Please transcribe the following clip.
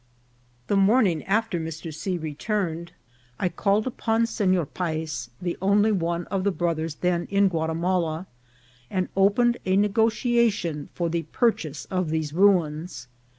The morning after Mr. C. returned I called upon Senor Payes, the only one of the brothers then in Guatimala, and opened a negotiation for the purchase of these ruins.